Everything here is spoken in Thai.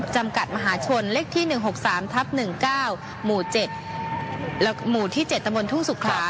จำกัดมหาชนเลขที่๑๖๓๑๙หมู่๗ตมทุ่งศุกรา